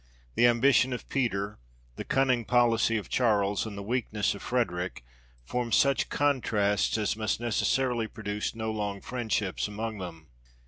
The ambition of Peter, the cunning policy of Charles, and the weakness of Frederick, formed such contrasts as must necessarily produce no long friendship among them.